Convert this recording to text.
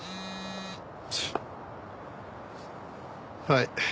はい。